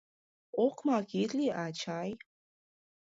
Окмак ит лий, ачай.